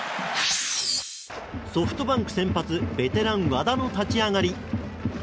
ソフトバンク先発ベテラン、和田の立ち上がり。